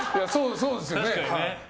そうですよね。